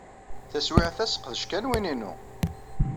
Taswiɛt-a, sseqdec kan win-inu.